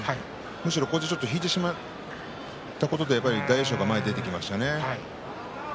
阿炎がちょっと引いてしまったことで大栄翔が前に出ていきましたね。